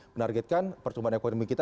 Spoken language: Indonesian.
menargetkan pertumbuhan ekonomi kita